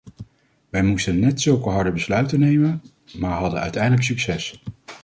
Wij moesten net zulke harde besluiten nemen, maar hadden uiteindelijk succes.